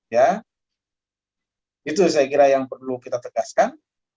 ya itu saya kira yang perlu kita tegaskan